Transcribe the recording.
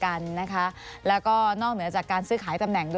สนุนโดยน้ำดื่มสิง